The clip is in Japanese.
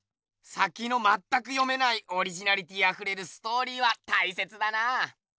さきのまったく読めないオリジナリティーあふれるストーリーはたいせつだなぁ。